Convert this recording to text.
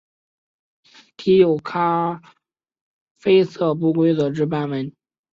体有深咖啡色不规则之斑纹。